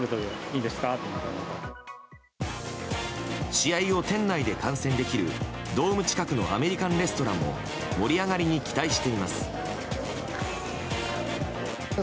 試合を店内で観戦できるドーム近くのアメリカンレストランも盛り上がりに期待しています。